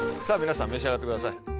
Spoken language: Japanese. さぁ皆さん召し上がってください。